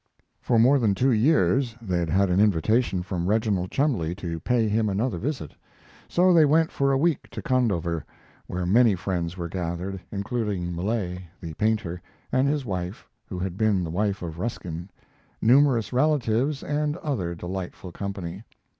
For more than two years they had had an invitation from Reginald Cholmondeley to pay him another visit. So they went for a week to Condover, where many friends were gathered, including Millais, the painter, and his wife (who had been the wife of Ruskin), numerous relatives, and other delightful company.